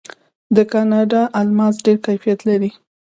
د کاناډا الماس ډیر کیفیت لري.